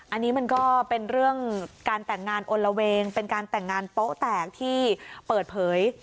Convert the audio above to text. อันนี้มันก็เป็นเรื่องการแต่งงานอลละเวงเป็นการแต่งงานโป๊แตกที่เปิดเผย